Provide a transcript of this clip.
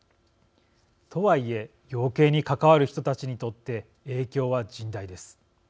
とはいえ養鶏に関わる人たちにとって影響は甚大です。